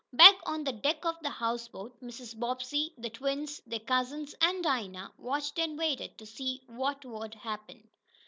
Back on the deck of the houseboat Mrs. Bobbsey, the twins, their cousins and Dinah watched and waited to see what would happen.